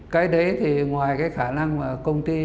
cái đấy thì ngoài cái khả năng mà công ty